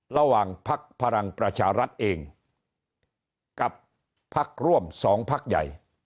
พักพลังประชารัฐเองกับพักร่วม๒พักใหญ่